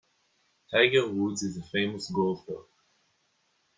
Tiger Woods is a famous golfer.